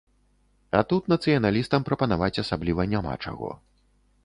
А тут нацыяналістам прапанаваць асабліва няма чаго.